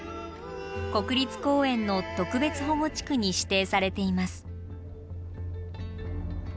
国立公園の特別保護地区に指定されています。